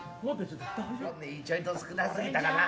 ちょいと少なすぎたかな。